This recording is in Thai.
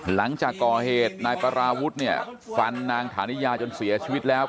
หลังจากก่อเหตุนายปราวุฒิเนี่ยฟันนางฐานิยาจนเสียชีวิตแล้ว